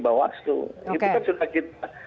bawaslu itu kan sudah kita